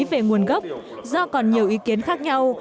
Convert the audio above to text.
về nguồn gốc do còn nhiều ý kiến khác nhau